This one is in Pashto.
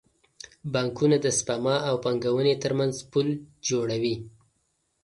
بانکونه د سپما او پانګونې ترمنځ پل جوړوي.